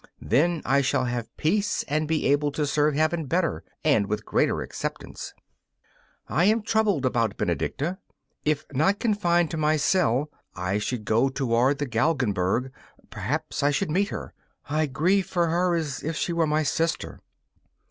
Then I shall have peace and be able to serve Heaven better and with greater acceptance. I am troubled about Benedicta. If not confined to my cell I should go toward the Galgenberg: perhaps I should meet her. I grieve for her as if she were my sister.